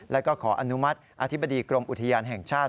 แล้วก็ขออนุมัติอธิบดีกรมอุทยานแห่งชาติ